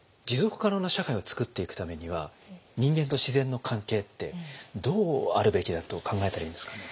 持続可能な社会を作っていくためには人間と自然の関係ってどうあるべきだと考えたらいいんですかね？